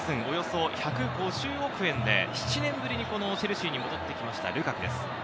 およそ１５０億円で７年ぶりにチェルシーに戻ってきました、ルカクです。